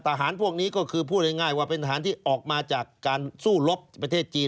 พวกนี้ก็คือพูดง่ายว่าเป็นทหารที่ออกมาจากการสู้รบประเทศจีน